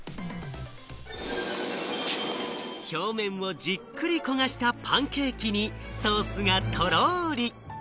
表面をじっくり焦がしたパンケーキに、ソースがとろり！